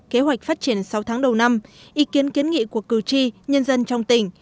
kế hoạch phát triển sáu tháng đầu năm ý kiến kiến nghị của cử tri nhân dân trong tỉnh